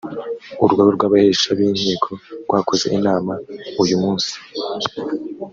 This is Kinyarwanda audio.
urugaga rw’abahesha b’inkiko rwakoze inama uyu munsi